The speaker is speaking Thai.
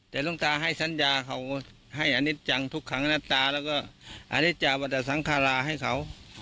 แต่หลวงตาให้สัญญาเขาให้อันนิจรรย์จังทุกขังอันตราแล้วก็อันนิจจาวัฏสังฆาลาของให้เขา